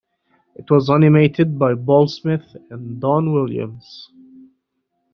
It was animated by Paul Smith and Don Williams.